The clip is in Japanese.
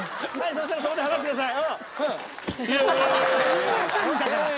そしたらそこで離してください。